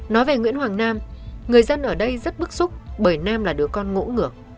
nói về nguyễn hoàng nam người dân ở đây rất bức xúc bởi nam là đứa con ngỗ ngược